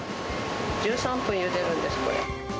１３分ゆでるんです、これ。